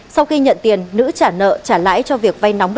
sau khi nhận tiền nữ trả nợ trả lãi cho việc vay nóng